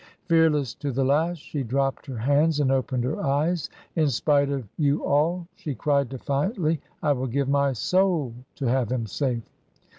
Fearless to the last, she dropped her hands and opened her eyes. "In spite of you all," she cried defiantly, "I will give my soul to have him safe!"